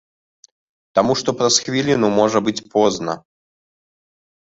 Таму што праз хвіліну можа быць позна.